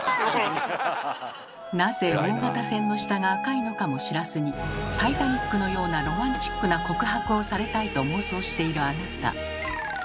なぜ大型船の下が赤いのかも知らずに「タイタニック」のようなロマンチックな告白をされたいと妄想しているあなた。